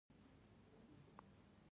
ایا ستاسو تیره هیره شوې ده؟